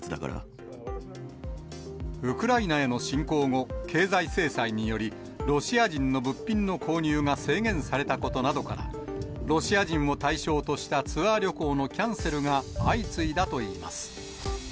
ウクライナへの侵攻後、経済制裁により、ロシア人の物品の購入が制限されたことなどから、ロシア人を対象としたツアー旅行のキャンセルが相次いだといいます。